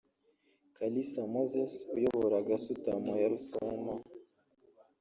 Kalisa Moses uyobora Gasutamo ya Rusumo